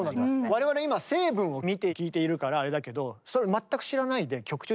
我々今成分を見て聴いているからあれだけどそれ全く知らないで曲中にこの音が今出てきたら。